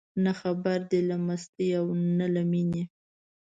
نه خبر دي له مستۍ او نه له مینې